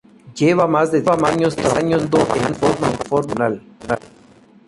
Lleva más de diez años trabajando en forma profesional.